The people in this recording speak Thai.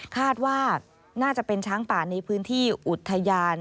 คาดว่าน่าจะเป็นช้างป่าในพื้นที่อุทยาน